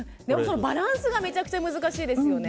バランスがめちゃくちゃ難しいですよね。